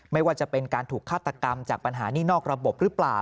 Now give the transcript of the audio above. ไม่ว่าจะเป็นการถูกฆาตกรรมจากปัญหานี่นอกระบบหรือเปล่า